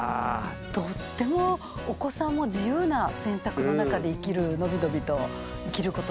とってもお子さんも自由な選択の中で生きる伸び伸びと生きることもできるし。